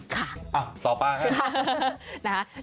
ค่ะต่อป้าครับ